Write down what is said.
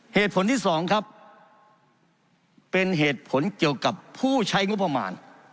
เหตุผลที่สองครับเป็นเหตุผลเกี่ยวกับผู้ใช้งบประมาณ